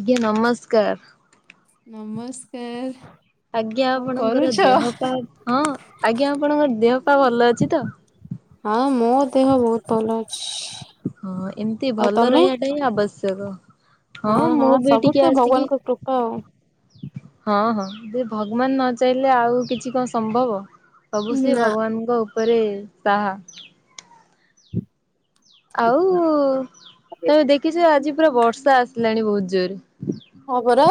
ଆଜ୍ଞା ନମସ୍କାର! ନମସ୍କାର! ଆଜ୍ଞା କଣ ଆପଣଙ୍କର କରୁଛ? ଦେହ ପା ହଁ ଆଜ୍ଞା ଆପଣଙ୍କର ଦେହ ପା ଭଲ ଅଛି ତ। ହଁ ମୋ ଦେହ ବହୁତ ଭଲ ଅଛିଇ ଇ। ହଁ ଏମତି ଭଲ ରହିଆ ଟା ହଁ ଆବଶ୍ୟକ। ହଁ ମୁଁ ବି ସବୁ ତ ଟିକେ ଆସିକି ଭଗବାନଙ୍କ କୃପା ଆଉ। ହଁ ହଁ ସେ ଭଗବାନ ନ ଚାଇଁଲେ ଆଉ କିଛି କଁ ସମ୍ଭବ। ସବୁ ସେଇ ନା। ଭଗବାନଙ୍କ ଓପେରେ ସାହା। ଆଉ ତମେ ଦେଖିଚ ଆଜି ପୁରା ବର୍ଷା ଆସିଲାଣି ବହୁତ ଜୋରରେ। ହଁ ପରା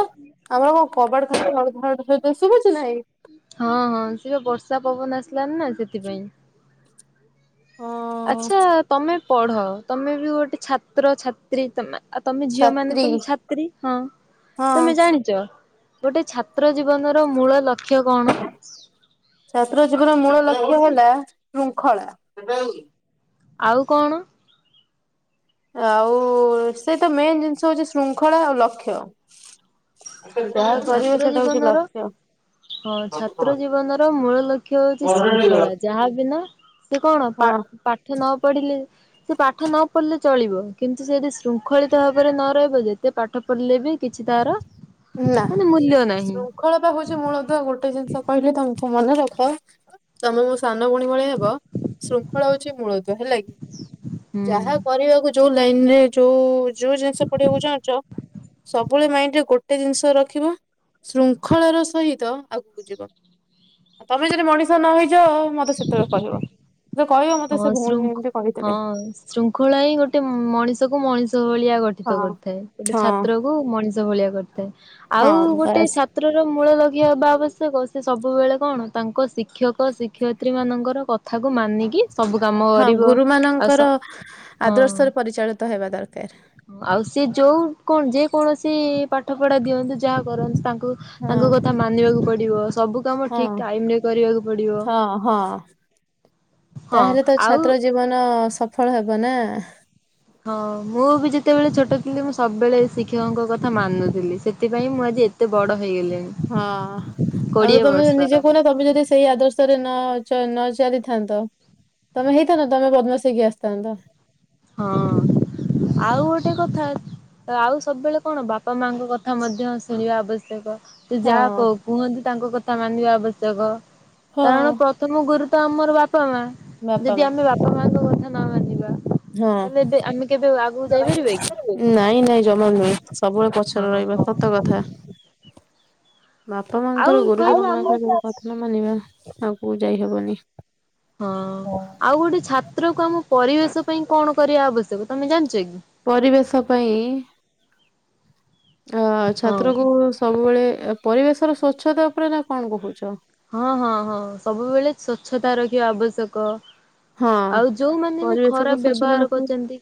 ଆମର କଁ କବାଟ ଖାଲି ଧଡ଼ ଧାଡ଼ ତତେ ଶୁଭୁଚି ନାହିଁ। ହଁ ହଁ ସିଏ ବର୍ଷା ପବନ ଆସିଲାନି ନା ସେଥିପାଇଁ। ହଁ ଆଚ୍ଛା ତମେ ପଢ ତମେ ବି ଗୋଟେ ଛାତ୍ର ଛାତ୍ରୀ ତମେ ଆ ତମେ ଝିଅ ମାନେ ଛାତ୍ରୀ ତମେ ଛାତ୍ରୀ ହଁ ହଁ ତମେ ଜାଣିଚ। ଗୋଟେ ଛାତ୍ର ଜୀବନ ର ମୂଳ ଲକ୍ଷ୍ୟ କଣ? ଛାତ୍ର ଜୀବନର ମୂଳ ଲକ୍ଷ୍ୟ ହେଲା ଶୃଙ୍ଖଳା। ଆଉ କଣ? ଆଉ ସେ ତ ମେନ୍ ଜିନିଷ ହଉଚି ଶୃଙ୍ଖଳା ଆଉ ଲକ୍ଷ୍ୟ। ଯାହା ତା କରିବ ଛାତ୍ର ସେଇଟା ହଉଛି ଜୀବନର। ଲକ୍ଷ୍ୟ। ହଁ ଛାତ୍ର ଜୀବନ ର ମୂଳ ଲକ୍ଷ୍ୟ ହଉଛି ଶୃଙ୍ଖଳା ଯାହା ବିନା। ସେ କଣ ପା ହଁ ପାଠ ନ ପଢିଲେ। ସେ ପାଠ ନ ପଢ଼ିଲେ ଚଳିବ କିନ୍ତୁ ସେ ଯଦି ଶୃଙ୍ଖଳିତ ଭାବରେ ନ ରହିବ ଯେତେ ପାଠ। ପଲ୍ ଲେ ବି କିଛି ତାର। ନା ମାନେ ମୂଲ୍ୟ ନାହିଁ ଶୃଙ୍ଖଳା ପା ହଉଛି ମୂଳଦୁଆ ଗୋଟେ ଜିନିଷ କହିଲି ତମକୁ ମନେ ରଖ। ତମେ ମୋ ସାନ ଭଉଣୀ ଭଳିଆ ହବ ଶୃଙ୍ଖଳା ହଉଛି ମୂଳଦୁଆ ହେଲା କି। ଯାହା ହୁଁ। କରିବାକୁ ଯୋଉ ଲାଇନରେ ଯୋଉ। ଯୋଉ ଜିନିଷ ପଡିବାକୁ ଚାହୁଁଛ ସବୁବେଳେ ମାଇଣ୍ଡ ରେ ଗୋ। ଗୋଟେ ଜିନିଷ ରଖିବ ଶୃଙ୍ଖଳା ର ସହିତ ଆଗକୁ ଯିବ। ତମେ ଯଦି ମଣିଷ ନ ହେଇଚ ମତେ ସେତେବେଳେ କହିବ। ଯେ କହିବ ମତେ ହଁ ସେ ଭଉଣୀ ଶୃଙ୍ଖ ଏମିତି କହିଥିଲେ। ହଁ ଶୃଙ୍ଖଳା ହିଁ ଗୋଟେ ମଣିଷ କୁ ମଣିଷ ଭଳିଆ ହଁ ଗଠିତ କରିଥାଏ ଗୋଟେ ହଁ ଛାତ୍ର। କୁ ମଣିଷ ଭଳିଆ କରିଥାଏ ଆଉ ହଁ ଗୋଟେ ଛା। ବାସ୍ ଛାତ୍ର ର ମୂଳ ଲକ୍ଷ୍ୟ ବା ଆବଶ୍ୟକ ସେ ସବୁବେଳେ କଣ ତାଙ୍କ ଶିକ୍ଷକ ଶିକ୍ଷୟତ୍ରୀ ମାନଙ୍କର କଥା। କଥାକୁ ମାନି କି। ସବୁ କାମ। ହଁ ଗୁରୁ ମାନଙ୍କର ହଁ। ଆଦର୍ଶରେ ପରିଚାଳିତ ହେବା ଦରକାର। ଆଉ ସେ ଯୋଉ କଣ ଯେ କୌଣସି ପାଠ ପଢା ଦିଅନ୍ତୁ ଯାହା କରନ୍ତୁ ତାଙ୍କୁ। ହଁ ତାଙ୍କ କଥା ମାନିବାକୁ ପଡିବ ସବୁ କାମ ହଁ ଠିକ ଟାଇମ ରେ କରିବାକୁ ପଡିବ। ହଁ ହଁ ହଁ ତାହେଲେ ତ ଆଉ ଛାତ୍ର ଜୀବନ ସଫଳ ହବ ନା। ହଁ ମୁଁ ବି ଯେତେବେଳେ ଛୋଟ ଥିଲି ମୁଁ ସବୁବେଳେ ଶିକ୍ଷକଙ୍କ କଥା ମାନୁଥିଲି ସେଥିପାଇଁ ମୁଁ ଆଜି ଏ ଏତେ ବଡ଼ ହେଇଗଲିଣି। ହଁ ଆଉ କୋଡିଏ ତମେ ବର୍ଷର ନିଜେ କହୁନା। ତମେ ଯଦି ସେଇ ଆଦର୍ଶରେ ନ ଚ ନ ଚାଲିଥାନ୍ତ। ତମେ ହେଇଥାନ୍ତ ତମେ ବଦମାସ୍ ହେଇ କି ଆସିଥାନ୍ତ। ହଁ ଆଉ ଗୋଟେ କଥା। ତ ଆଉ ସବୁବେଳେ କଣ ବାପା ମାଙ୍କ କଥା ମଧ୍ୟ ଶୁଣିବା ଆବଶ୍ୟକ। ସେ ହଁ ଯାହା କଉ କୁହନ୍ତୁ ତାଙ୍କ କଥା ମାନିବା ଆବଶ୍ୟକ ହଁ କାରଣ ପ୍ର ପ୍ରଥମ ଗୁରୁ ତ ଆମର ବାପା ମା। ବାପା ଯଦି ମା। ଆମେ ବାପା ମାଙ୍କ କଥା ନ ମାନିବା ହଁ ତାହଲେ ଏବେ ଆମେ କେବେ ଆଗକୁ ଯାଇପାରିବା କି? ନାଇଁ ନାଇଁ ଜମା ନୁହେଁ ସବୁବେଳେ ହଁ ପଛରେ ରହିବା ସତ କଥା। ବାପା ଆଉ ମାଙ୍କର ଗୁରୁଜନ କହିଲେ ଆମେ ମାନଙ୍କର କଥା ନ ମାନିବା ଆଗ କୁ ଯାଇ ହବନି। ହଁ ଆଉ ଗୋଟେ ଛାତ୍ର କୁ ଆମ ପରିବେଶ ପାଇଁ କଣ କରିବା ଆବଶ୍ୟକ ତମେ ଜାଣିଛ କି? ପରିବେଶ ପାଇଁ ଆଁ ହଁ ଛାତ୍ର କୁ - ସବୁବେଳେ ପରିବେଶର ସ୍ୱଚ୍ଛତା ଉପରେ ନା କଣ କହୁଛ? ହଁ ହଁ ହଁ ସବୁବେଳେ ସ୍ଵଚ୍ଛତା ରଖିବା ଆବଶ୍ୟକ। ହଁ ଆଉ ଯୋଉମାନେ ବି ପରିବେଶକୁ ଖରାପ ସ୍ୱଚ୍ଛତା ବ୍ୟବହାର ରଖିବା କରୁଚନ୍ତି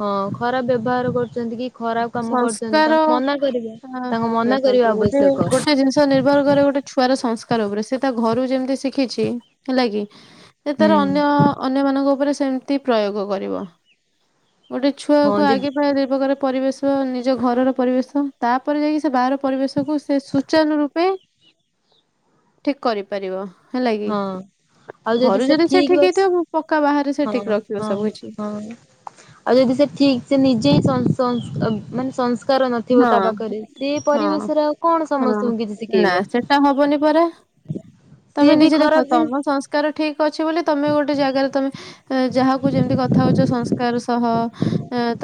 ହଁ ଖରାପ ବ୍ୟବହାର କରୁ। ଯେମିତି କି ଖରାପ କାମ କରୁଛନ୍ତି ସଂସ୍କାର ତାଙ୍କୁ ମନା କରିବା ଅ ତାଙ୍କୁ ମନା କରିବା ଆବଶ୍ୟକ। ଥରେ ନିର୍ଭର କରେ ଗୋଟେ ଛୁଆର ସଂସ୍କାର ଉପରେ ସେ ତା ଘରୁ ଯେମିତି ଶିଖିଛି ହେଲା କି ଯେ ହୁଁ ତାର ଅନ୍ୟ ଅନ୍ୟ ମାନଙ୍କ ଉପରେ ସେମ୍ ତି ପ୍ରୟୋଗ କରିବ। ଗୋଟେ ହଁ ଛୁଆକୁ ଯଦି ଆଗେ ପା ଦି ପ୍ରକାର ପରିବେଶ ନିଜ ଘରର ପରିବେଶ ତାପରେ ଯାଇକି ସେ ବାହାର ପରିବେଶକୁ ସେ ସୁୂଚାର ରୂପେ ହ [inaudible] ଠିକ୍ କରିପାରିବ ହେଲା କି? ହଁ। ଘରୁ ଯଦି ସେ ଠିକ ହେଇଥିବ ମୁ ପକ୍କା ବାହାରେ ସେ ଠିକ ହଁ ରଖିବ ହଁ ସବୁ କିଛି। ହଁ। ଆଉ ଯଦି ସେ ଠିକ ସେ ନିଜେ ସଂସ୍ - ସଂସ ମାନେ ସଂସ୍ ସଂସ୍କାର ନଥିବ ହଁ ତା ପାଖରେ ସେ ହଁ ପରିବେଶରେ ଆଉ କଣ ହଁ ସମସ୍ତଙ୍କୁ କିଛି ନା ଶିଖେଇବ। ସେଟା ହବନି ପରା ସିଏ ତମେ ବି ନିଜେ ଦେଖ ଖରାପ ଜିନି ତମ ସଂସ୍କାର ଠିକ ଅଛି ବୋଲି ତମେ ଗୋଟେ ଜାଗାରେ ତମେ ଯାହାକୁ ଯେମିତି କଥା ହଉଛ ସଂସ୍କାର ସହ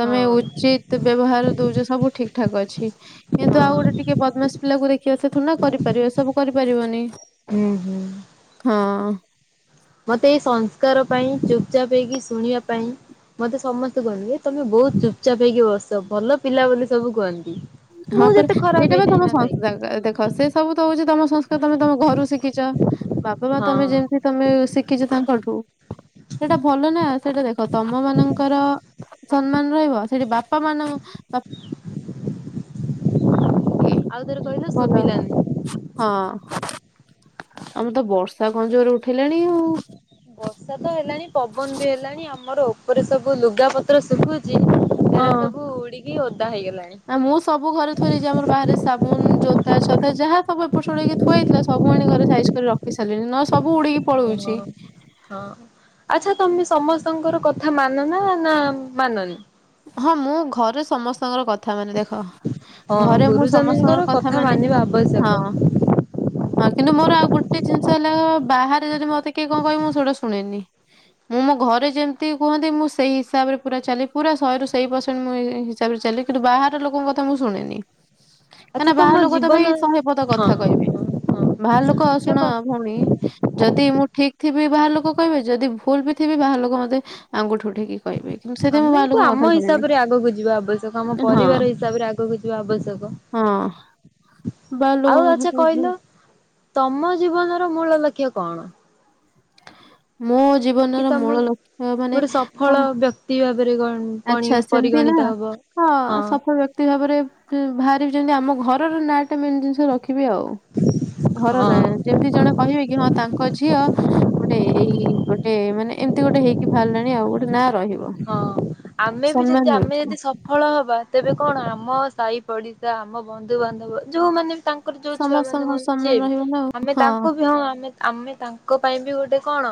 ତମେ ହଁ ଉଚିତ ବ୍ୟବହାର ଦଉଚ ସବୁ ଠିକ୍ ଠାକ୍ ଅଛି। କିନ୍ତୁ ହଁ ଆଉ ଗୋଟେ ଟିକେ ବଦମାସପିଲା କୁ ଦେଖିବ, ସେ ଥିଡିନା କରିପାରିବ ଏ ସବୁ କରିପାରିବନି। ହୁଁ ହୁଁ ହଁ ମତେ ଏଇ ସଂସ୍କାର ପାଇଁ ଚୁପ୍ ଚାପ୍ ହେଇକି ଶୁଣିବା ପାଇଁ ମତେ ସମସ୍ତେ କହିବେ ଏ ତମେ ବହୁତ ଚୁପ୍ ଚାପ୍ ହେଇକି ବସ ଭଲ ପିଲା ବୋଲି ସବୁ କୁହନ୍ତି। ମୁଁ ଯେତେ ଖରାପ ହେଇଥାଏ। ଦେ ଦେଖ ସେ ସବୁ ତ ହଉଛି ତମ ସଂସ୍କାର ତମେ ତମ ଘରୁ ଶିଖିଛ। ବାପା ମା ହଁ ତମେ ଯେମିତି ତମେ ଶିଖିଛ ତାଙ୍କଠୁ ସେଟା ଭଲ ନା। ସେଟା ଦେଖ ତମ ମାନଙ୍କର ସମ୍ମାନ ରହିବ ସେଠି ବାପା ମାନ ଏ ଆଉ ଥରେ କହିଲ ଭଲ। ଶୁଭିଲାନି। ହଁ ଆମର ତ ବର୍ଷା କଣ ଜୋରରେ ଉଠେଇଲାଣି ଆଉ। ବର୍ଷା ତ ହେଲାଣି ପବନ ବି ହେଲାଣି ଆମର ଉପରେ ସବୁ ଲୁଗା ପତ୍ର ଶୁଖୁଚି। ହଁ। ଏରା ସବୁ ଉଡିକି ଓଦା ହେଇଗଲାଣି। ଆ ମୁଁ ସବୁ ଘରେ ଥରେଯେ ଆମର ବାହାରେ ସାବୁନ, ଜୋତା, ଛତା ଯାହା ସବୁ ଏପଟ ସେପଟ ହେଇକି ଥୁଆ ହେଇଥିଲା ସବୁ ଆଣିଚି ଘରେ ସାଇଜି ରଖି ସାରିଲିଣି ନହଲେ ସବୁ ଉଡିକି ଓହୋ। ପଳଉଛି। ହଁ ଆଚ୍ଛା ତମେ ସମସ୍ତଙ୍କର କଥା ମାନ ନା ନା ମାନନି? ହଁ ମୁଁ ଘରେ ସମସ୍ତଙ୍କର କଥା ମାନେ। ଦେଖ ହଁ ଘରେ ମୁଁ ସମସ୍ତଙ୍କର ଗୁରୁଜନଙ୍କର କଥା ମାନେ ମାନିବା ହଁ ଆବଶ୍ୟକ। ହଁ କିନ୍ତୁ ମୋର ଆଉ ଗୋଟେ ଜିନିଷ ହେଲା ବାହାରେ ଯଦି ମତେ କିଏ କଣ କହିବେ ମୁଁ ସେଇଟା ଶୁଣେନି। ମୁଁ ମୋ ଘରେ ଯେମିତି କୁହନ୍ତି ମୁଁ ସେଇ ହିସାବରେ ପୁରା ଚାଲେ। ପୁରା ଶହେରୁ ସେଇ ପରସେଣ୍ଟ ମୁଁ ହିସାବରେ ଚାଲେ କିନ୍ତୁ ବାହାରର ଲୋକଙ୍କ କଥା ମୁଁ ଶୁଣେନି। କାହିଁକି ଆଚ୍ଛା ନା ତମ ବାହାର ଲୋକ ତ ଜୀବନ ଭାଇ ସହେ ପଦ ହଁ କଥା କହିବେ ହଁ ବାହାର ଲୋକ ସେ କ ଶୁଣ ଭଉଣୀ ଯଦି ମୁଁ ଠିକ୍ ଥିବି ବାହାର ଲୋକ କହିବେ ଯଦି ଭୁଲ ବି ଥିବି ବାହାର ଲୋକ ମତେ ଆଙ୍ଗୁଠୁ ଉଠେଇକି କହିବେ କି ଆମକୁ ଆମ ହିସାବ ରେ ଆଗକୁ ଯିବା ଆବଶ୍ୟକ। ଆମ ହଁ ପରିବାର ହିସାବରେ ଆଗକୁ ଯିବା ଆବଶ୍ୟକ। ହଁ ବାହାର ଆଉ ଲୋକଙ୍କ ଆଚ୍ଛା କହିଲ କଥାକୁ [unintelligible] ତମ ଜୀବନର ମୂଳ ଲକ୍ଷ୍ୟ କଣ? ମୋ କି ଜୀବନର ତମେ ମୂଳ ଲକ୍ଷ୍ୟ ମାନେ କଣ ତି ଭାବରେ ଗଣି। ଆଚ୍ଛା ସେମିତି ନା ହଁ ହଁ ସବୁ ବେ ଭକ୍ତି ଭାବରେ ବାହାରି ଯେମିତି ଆମ ଘରର ନାଁ ଟା ମେନ୍ ଜିନିଷ ରଖି ରଖିବି ଆଉ ଘର ହଁ। ଯେମିତି ଜଣେ କହିବେ କି ହଁ ତାଙ୍କ ଝିଅ ଗୋଟେ ଏଇ ଗୋଟେ ମାନେ ଏମିତି ଗୋଟେ ହେଇକି ବାହାରିଲାଣି ଆଉ ଗୋଟେ ନାଁ ରହିବ। ହଁ ଆମେ ବି ସମ୍ମାନ ଯଦି ଆମେ ମିଳୁଥିବ। ଯଦି ସବ ଫଳ ହବା ତେବେ କଣ ଆମ ସାହି ପଡିଶା ଆମ ବନ୍ଧୁବାନ୍ଧବ ଯୋଉମାନେ ବି ତାଙ୍କର ଯୋଉ ଛୁଆ ମାନେ ସମସ୍ତଙ୍କର ହୁଅନ୍ତି ସମ୍ମାନ ସିଏ ବି ରହିବ ନା ଆଉ ଆମେ ହଁ ତାଙ୍କୁ ବି ହଁ ଆମେ ଆମେ ତାଙ୍କ ପାଇଁ ବି ଗୋଟେ କଣ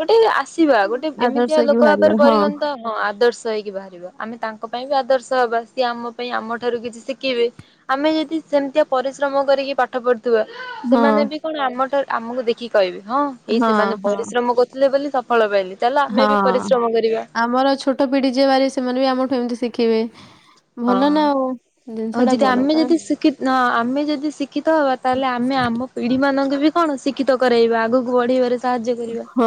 ଗୋଟେ ଆସିବା ଗୋଟେ ଆଦର୍ଶ ଏମିତିଆ ହେଇକି ଲୋକ ବାହାରିବା ଭପରେ ହଁ ପରିଗଣି ହଁ ଆଦର୍ଶ ହେଇକି ବାହାରିବା ଆମେ ତାଙ୍କ ପାଇଁ ବି ଆଦର୍ଶ ହବା ସିଏ ଆମ ପାଇଁ ଆମ ଠାରୁ କିଛି ଶିକିବେ। ଆମେ ଯଦି ସେମିତିଆ ପରିଶ୍ରମ କରିକି ପାଠ ପଢି ଥିବା ହଁ। ସେମାନେ ବି କଣ ଆମଠାରୁ ଆମକୁ ଦେଖିକି କହିବେ ହଁ ଏଇ ସେମାନେ ପରିଶ୍ରମ କରୁଥିଲେ ବୋଲି ସଫଳ ପାଇଲେ ଚାଲ ଆମେ ବି ହଁ ପରିଶ୍ରମ କରିବା। ଆମର ଛୋଟ ପିଢି ଯିଏ ବାହାରିବେ ସେମାନେ ବି ଆମଠୁ ଏମିତି ଶିଖିବେ ଭଲ ନା ଆଉ। ଜିନିଷ ହଉ ଟା ଯଦି ଭଲ ଆମେ ତମେ ଯଦି ଶିକ୍ଷିତ ନ ଆମେ ଯଦି ଶିକ୍ଷିତ ହବା ତାହେଲେ ଆମେ ଆମ ପିଢି ମାନଙ୍କୁ ବି କଣ ଶିକ୍ଷିତ କରାଇବା ଆଗକୁ ବଢେଇବାରେ ସାହାଯ୍ୟ କରିବା। ହଁ।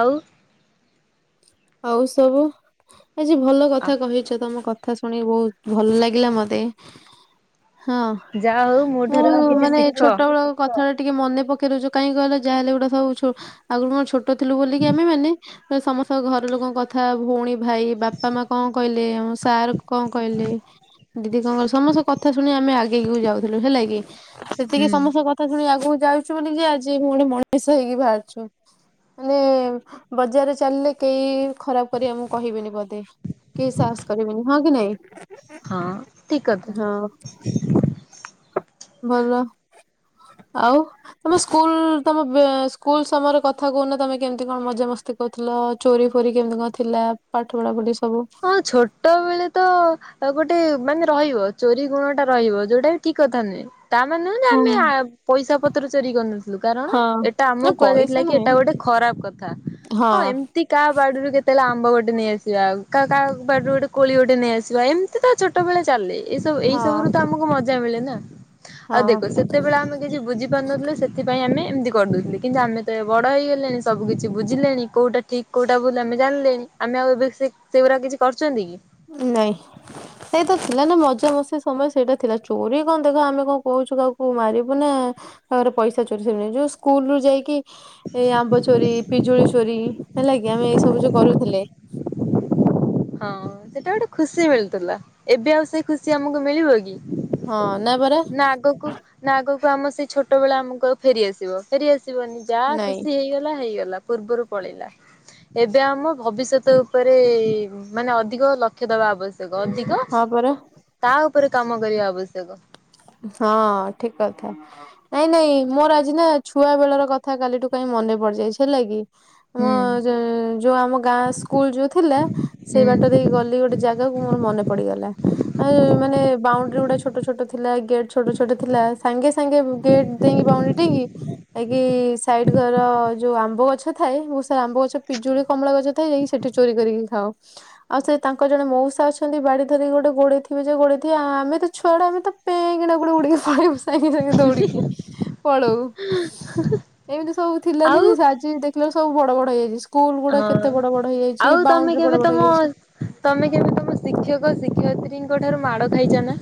ଆଉ ହଉ ସବୁ ଆଜି ଭଲ କଥା କହିଛ ତମ କ କଥା ଶୁଣି ବହୁତ ଭଲ ଲାଗିଲା ମତେ। ହଁ ଯାହା ହଉ ମୋ ମୁଁ ଠାରୁ ବି କିଛି ମାନେ ଶିଖ ଛୋଟବେଳୁ କଥା ଟା ଟିକେ ମନେ ପକେଇ ଦଉଚୁ କାହିଁ କହିଲ ଯାହା ହେଲେ ଗୁଟେ ସବୁ ଛୁ ଆଗରୁ କଣ ଛୋଟ ଥିଲୁ ବୋଲିକି ଆମେ ମାନେ ସମସ୍ତଙ୍କ ଘର ଘର ଲୋକଙ୍କ କଥା ଭଉଣୀ ଭାଇ ବାପା ମା କ କହିଲେ ଆମ ସାର୍ କ କହିଲେ? ଦିଦି କଣ ସମସ୍ତ କଥା ଶୁଣି ଆମେ ଆଗେଇି କି ଯାଉଥିଲୁ ହେଲା କି ସେତିକି ହୁଁ ସମସ୍ତ କ ଥା ଶୁଣିକି ଆଗକୁ ଯାଉଛୁ ବୋଲି କି ଆଜି ଫୁଣି ମଣିଷ ହେଇକି ବାହାରିଛୁ। ମାନେ ବଜାରରେ ଚାଲିଲେ କେହି ଖରାପ କରିକି ଆମ କୁ କହିବେନି ପଦେ କେହି ସାହସ କରିବେନି ହଁ କି ନାଇଁ? ହଁ ଠିକ କଥା। ହଁ ଭଲ ଆଉ ତମେ ସ୍କୁଲ ତମ ସ୍କୁଲ ସମୟରେ କଥା କହୁନ ତମେ କେମିତି କଣ ମଜାମସ୍ତି କରୁଥିଲ? ଚୋରି ଫୋରି କେମିତି କଣ ଥିଲା ପାଠ ପଢା ପଢି ସବୁ? ମୁଟ ଛୋଟ ବେଳେ ତ ଆଉ ଗୋଟେ ମାନେ ରହିବ ଚୋରି ଗୁଣ ଟା ରହିବ ଯୋଉଟା କି ଠିକ କଥା ନୁହେଁ। ତା ମାନେ ନୁହଁ ଆମେ ହଁ ପଇସା ପତ୍ର ଚୋରି କରିନ କାରଣ ଏଟା ନା ଆମକୁ ପଇସା କୁହାଯାଇଥିଲା କି ନୁହେଁ ଏଟା ଗୋଟେ ଖରାପ କଥା ହଁ ଏମ୍ ତି କାହା ବାଡ଼ିରୁ କେତେବେଳେ ଆମ୍ବ ଗୋଟେ ନେଇ ଆସିବା ଆଉ କା କାହା ବାଡ଼ିରୁ ଗୋଟେ କୋଳି ଗୋଟେ ନେଇ ଆସିବା ଏମିତି ତ ଛୋଟବେଳେ ଚାଲେ ଏସବୁ ଏଇ ହଁ ସବୁ ରୁ ତ ଆମ କୁ ମଜା ମିଳେ ନା ଆଉ ଦେଖ ହଁ ସେତେବେଳେ ଆମେ କିଛି ବୁଝ ପାରୁନଥିଲେ ସେଥିପାଇଁ ଆମେ ଏମିତି କରିଦଉଥିଲେ କିନ୍ତୁ ଆମେ ତ ଏବେ ବଡ଼ ହେଇଗଲେଣି ସବୁ କିଛି ବୁଝିଲେଣି କୋଉଟା ଠିକ୍ କୋଉଟା ଭୁଲ ଆମେ ଜାଣିଲେଣି ଆମେ ଆଉ ଏବେ ସେ ସେଗୁଡା କିଛି କରୁଛନ୍ତି କି? ନାଇ। ସେଇ ତ ଥିଲା ନା ମଜା ମସ୍ତି ସମୟ ସେଇଟା ଥିଲା ଚୋରି କଣ ଦେଖ ଆମେ କଣ କହୁଛୁ କାହାକୁ ମାରିବୁ ନା ତାର ପଇସା ଚୋରି ସେହିଁ ଯୋଉ ସ୍କୁଲ ରୁ ଯାଇକି ଏଇ ଆମ୍ବ ଚୋରି ପିଜୁଳି ଚୋରି ହେଲା କିି ଆମେ ଏଇ ସବୁ ଯୋଉ କରୁଥିଲେ ହଁ ସେଟା ଗୋଟେ ଖୁସି ମିଳୁଥିଲା ଏବେ ଆଉ ସେ ଖୁସି ଆମକୁ ମିଳିବ କି? ହଁ ନାଇଁ ପରା ନା ଆଗକୁ ନା ଆଗକୁ ଆମ ସେଇ ଛୋଟ ବେଳ ଆମକୁ ଆଉ ଫେରିଆସିବ ଫେରିଆସିବନି ଯାହା ନାଇଁ ଖୁସି ହେଇଗଲା ହେଇଗଲା ପୂର୍ବରୁ ପଳେଇିଲା ଏବେ ଆମ ଭବିଷ୍ୟତ ଉପରେ ମାନେ ଅଧିକ ଲକ୍ଷ୍ୟ ଦବା ଆବଶ୍ୟକ ଅଧିକ ହଁ ପରା ତା ଉପରେ କାମ କରିବା ଆବଶ୍ୟକ। ହଁ ଠିକ କଥା ନାଇଁ ନାଇଁ ମୋର ଆଜି ନା ଛୁଆ ବେଳର କଥା କାଲିଠୁ କାଇଁ ମନେ ପଡିଯାଇଛି ହେଲା କି ଅଁ ହୁଁ। ଆମ ଯୋଉ ଆମ ଗାଁ ସ୍କୁଲ ଯୋଉ ଥିଲା ସେଇ ବାଟ ହୁଁ ଦେଇ ଗଲି ଗୋଟେ ଜାଗାକୁ ମୋର ମନେ ପଡିଗଲା ଆଉ ମାନେ ବାଉଣ୍ଡରି ଗୁଡ଼ା ଛୋଟ ଛୋଟ ଥିଲା ଗେଟ୍ ଛୋଟ ଛୋଟ ଥିଲା ସାଙ୍ଗେ ସାଙ୍ଗେ ଗେଟ ଦେଇକି ବାଉଡି ଦେଇକି ଜାଇକି ସାଇଡ ଘର ଯୋଉ ଆମ୍ବ ଗଛ ଥାଏ ବହୁତ ସାରା ଆମ୍ବ ଗଛ ପିଜୁଳି କମଳା ଗଛ ଥାଏ ଯାଇକି ସେଠି ଚୋରି କରିକି ଖାଉ। ଆଉ ସେ ତାଙ୍କ ଜଣେ ମଉସା ଅଛନ୍ତି ବାଡି ଧରି ଗୋଟେ ଗୋଡେଇଥିବେ ଯେ ଗୋଡେଇଥିବ ଆମେ ତ ଛୁଆ ଗୁଡ଼ାକ ଆମେ ତ ନାକୁ ଉଡ଼ିକ ପଲେଇବୁ ସାଙ୍ଗେ ସାଙ୍ଗେ ଦୌଡିକି ପଳଉ ଏମିତି ସବୁ ଥିଲାନି ଆଉ ଯେ ସେ ଆଜି ଦେଖି ସବୁ ବଡ ବଡ ହେଇଯାଇଛି ସ୍କୁଲ ଗୁଡା ହଁ କେତେ ବଡ ବଡ଼ ହେଇଯାଇଛି ଆଉ ତମେ ବାଉଣ୍ଡରୀ କେବେ ବଡ ବଡ ତମ ହେଇଯାଇଛି। ତମେ କେବେ ତମ ଶିକ୍ଷକ ଶିକ୍ଷୟତ୍ରୀଙ୍କ ଠାରୁ ମାଡ ଖାଇଛ ନା?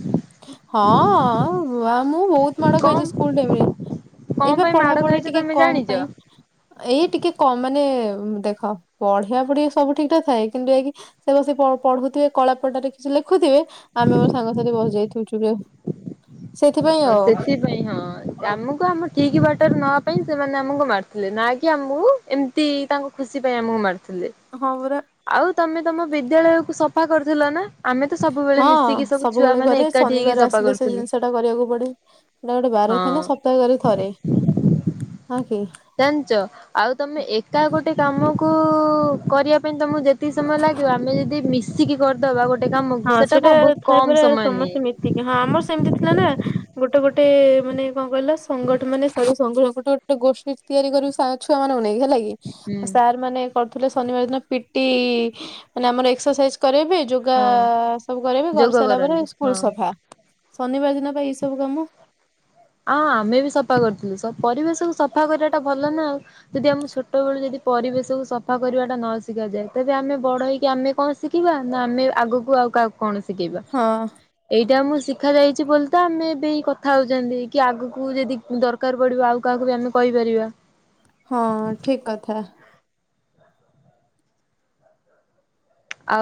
ହଁ ଅଁ ଅଁ ଆଉ ମୁଁ ବହୁତ ମାଡ ଖାଇଛି କଣ ସ୍କୁଲ ଟାଇମରେ। କଣ ଏଇ ବା ପାଇଁ ମାଡ଼ ପଢାପଢି ଖାଇଛ ଟିକେ ତମେ କମ ଜାଣିଛ? ପାଇଁ ଏଇ ଟିକେ କମ ମାନେ ଦେଖ ପଢିବା ପଢିବା ସବୁ ଠିକଠାକ ଥାଏ କିନ୍ତୁ ଏ କି ସେ ବସି ପ ପଢୁଥିବେ କଳାପଟରେ କିଛି ଲେଖୁଥିବେ ଆମେ ମୋ ସାଙ୍ଗସାଥି ବସି ଯାଇଥିବୁ ଚୁଗ ହଁ ସେଥିପାଇଁ ହଁ ଆଉ। ଆମକୁ ଆମ କି କି ବାଟର ନ ପାଇଁ ସେମାନେ ଆମକୁ ମାରୁଥିଲେ ନା କି ଆମକୁ ଏମିତି ତାଙ୍କ ଖୁସି ପାଇଁ ଆମକୁ ମାରିଥିଲେ। ହଁ ପରା ଆଉ ତମେ ତମ ବିଦ୍ୟାଳୟକୁ ସଫା କରୁଥିଲ ନା? ଆମେ ତ ସବୁବେଳେ ହଁ ମିଶିକି ସବୁ ଛୁଆ ସବୁବେଳେ ମାନେ କରେ ଏକାଠି ହେଇକି ଶନିବାର ସଫା ଆସିଲେ ସେ କରୁଥିଲି। ଜିନିଷ ଟା କରିବାକୁ ପଡେ ସେଟା ଗୋଟେ ବାର ଥାଏ ନା ସପ୍ତାହେ କରେ ଥରେ ହ କି ଜାଣିଛ ଆଉ ତମେ ଏକା ଗୋଟେ କାମକୁ କରିବା ତମକୁ ଯେତିକ ସମୟ ଲାଗିବ ଆମେ ଯଦି ମିସି ମିଶିକି କରିଦବା ଗୋଟେ କାମକୁ ସେଟାକୁ ବହୁତ କମ୍ ସମୟ ନିଏ। ଟିକେ ହଁ ଆମର ସେମିତି ଥିଲା ନା ଗୋଟେ ଗୋଟେ ମାନେ କଣ କହିଲା ସଂଗଠ ମାନେ ଗୋଟେ ଗୋଟେ ଗୋଷ୍ଠୀ ତିଆରି କରିବୁ ଛୁଆ ମାନଙ୍କୁ ନେଇକି ହେଲା କି ହୁଁ ସାର୍ ମାନେ କରୁଥିଲେ ଶନିବାର ଦିନ ପିଟି ମାନେ ଆମର ଏକ୍ସରସାଇଜ କରଇବେ ଯୋଗ ଗା ହଁ ସବୁ କରେଇବ କରି ଯୋଗ ସାରିଲା ପରେ କରନ୍ତି ସ୍କୁଲ୍ ହଁ ସଫା ଶନିବା ଦିନ ବା ଏଇ ସବୁ କାମ ଆଁ ଆମେ ବି ସଫା କରୁଥିଲୁ ପରିବେଶକୁ ସଫା କରିବା ଟା ଭଲ ନା ଆଉ। ଯଦି ଆମ ଛୋଟ ବେଳୁ ଯଦି ପରିବେଶକୁୁ ସଫା କରିବାଟା ନ ଶିଖାଯାଏ ତେବେ ଆମେ ବଡ ହେଇକି ଆମେ କଁ ଶ୍ ଶିଖିବା ନା ଆମେ ଆଗକୁ ଆଉ କାହାକୁ କଣ ଶିଖେଇବା ହଁ ଏଇଟା ଆମକୁ ଶିଖା ଯାଇଚି ବୋଲି ତ ଆମେ ଏବେ ଏଇ କଥା ହଉଚନ୍ତି କି ଆଗକୁ ଯଦି ଦରକାର୍ ପଡ଼ିବ ଆଉ କାହାକୁ ବି ଆମେ କଇପାରିବା। ହଁ ଠିକ୍ କଥା।